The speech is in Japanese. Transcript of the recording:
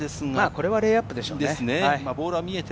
これはレイアップでしょうね。